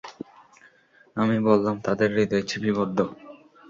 আমি বললাম, তাদের হৃদয় ছিপিবদ্ধ।